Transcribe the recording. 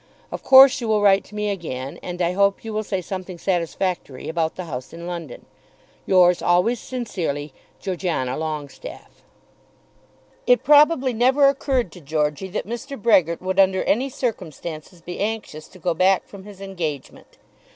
Of course you will write to me again, and I hope you will say something satisfactory about the house in London. Yours always sincerely, GEORGIANA LONGESTAFFE. It probably never occurred to Georgey that Mr. Brehgert would under any circumstances be anxious to go back from his engagement.